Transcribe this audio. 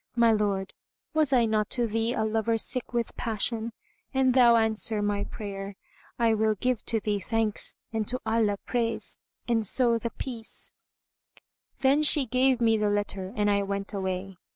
My lord, was I not to thee a lover sick with passion? An thou answer my prayer, I will give to thee thanks and to Allah praise; and so—The Peace!"[FN#164] Then she gave me the letter and I went away.